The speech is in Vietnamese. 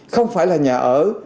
không phải là nhà ở